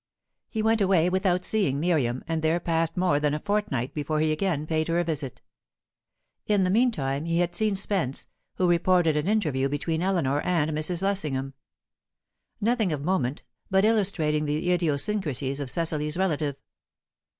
He went away without seeing Miriam, and there passed more than a fortnight before he again paid her a visit. In the meantime he had seen Spence, who reported an interview between Eleanor and Mrs. Lessingham; nothing of moment, but illustrating the idiosyncrasies of Cecily's relative.